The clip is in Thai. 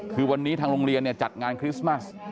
คือวันนี้ทางโรงเรียนจัดงานคริสต์มัส